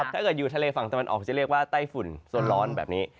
ถ้าเกิดอยู่ทะเลฝั่งตะวันออกจะเรียกว่าไต้ฝุ่นโซนร้อนแบบนี้